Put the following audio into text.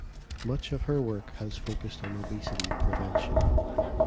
Much of her work has focused on obesity prevention.